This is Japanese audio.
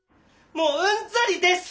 もううんざりです！